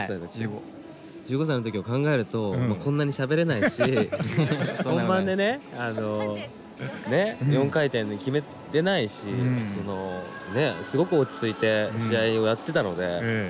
１５歳の時を考えるとこんなにしゃべれないし本番でねあの４回転決めれないしすごく落ち着いて試合をやってたのですごいなと。